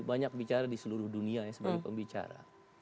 banyak bicara di seluruh dunia sebagai pembicara